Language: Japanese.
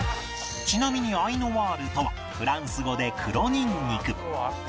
ちなみに Ａｉｌｎｏｉｒ とはフランス語で黒ニンニク